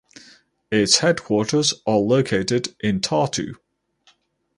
Its headquarters are located in Tartu.